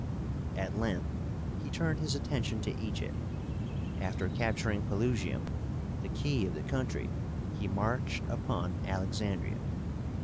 At length he turned his attention to Egypt. After capturing Pelusium, the key of the country, he marched upon Alexandría.